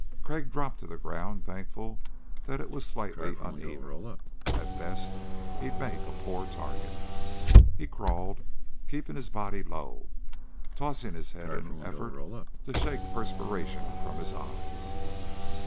Crag dropped to the ground, thankful that it was slightly uneven. At best he'd make a poor target. He crawled, keeping his body low, tossing his head in an effort to shake the perspiration from his eyes.